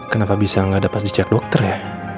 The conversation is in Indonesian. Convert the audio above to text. kenapa bisa nggak ada pas dicek dokter ya